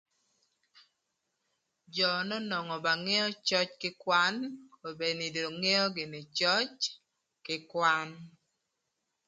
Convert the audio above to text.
Jö n'onwongo ba ngeo cöc kï kwan, kobedini dong ngeo gïnï cöc kï kwan.